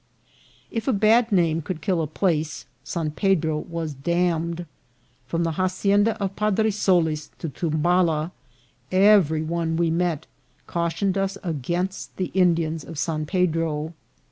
If a bad name could kill a place, San Pedro was damned. From the hacienda of Padre Solis to Tum bala, every one we met cautioned us against the In dians of San Pedro.